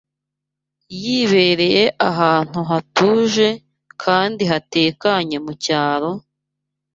yibereye ahantu hatuje kandi hatekanye mu cyaro,